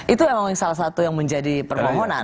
itu memang salah satu yang menjadi permohonan